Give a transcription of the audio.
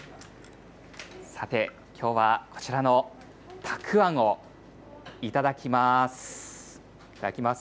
さて、きょうはこちらのたくあんを頂きます。